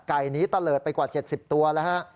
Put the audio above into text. ไก่นี้ตะเลิศไปกว่า๗๐ตัวแล้วฮะ